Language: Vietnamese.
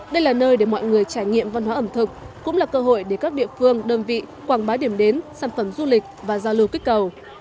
đây là nơi để mọi người trải nghiệm văn hóa ẩm thực cũng là cơ hội để các địa phương đơn vị quảng bá điểm đến sản phẩm du lịch và giao lưu kích cầu